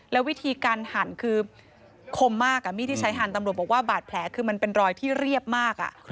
แล้ววิธีการหั่นคือคมมากมีดที่ใช้หั่นตำรวจบอกว่าบาดแผลคือมันเป็นรอยที่เรียบมาก